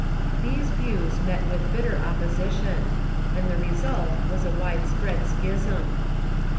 These views met with bitter opposition, and tlie result was a wide s))read schism.